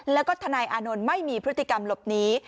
แล้วก็ทนายอานนท์ไม่มีพฤติกรรมหลบหนี